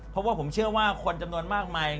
เพราะว่าผมเชื่อว่าคนจำนวนมากมาย